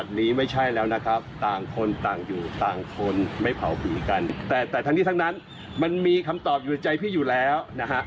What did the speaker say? ดังนั้นมันมีคำตอบอยู่ใจพี่อยู่แล้ว